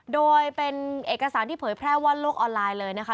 โดยเป็นเอกสารที่เผยแพร่ว่อนโลกออนไลน์เลยนะคะ